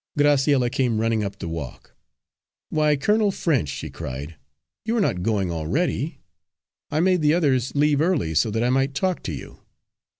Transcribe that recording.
Graciella came running up the walk. "Why, Colonel French," she cried, "you are not going already? I made the others leave early so that I might talk to you."